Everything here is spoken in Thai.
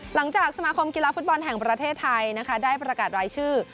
สมาคมกีฬาฟุตบอลแห่งประเทศไทยนะคะได้ประกาศรายชื่อ